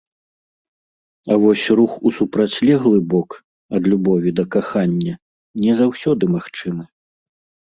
А вось рух у супрацьлеглы бок, ад любові да кахання, не заўсёды магчымы.